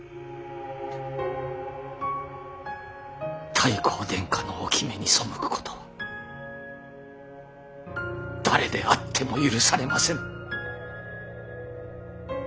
太閤殿下の置目に背くことは誰であっても許されませぬ。